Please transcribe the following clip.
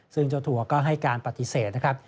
ซึ่งเจ้าตัวก็ให้การปฏิเสธนะครับ